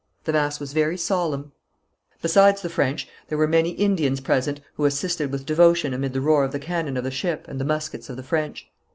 The mass was very solemn. Besides the French, there were many Indians present who assisted with devotion amid the roar of the cannon of the ship, and the muskets of the French.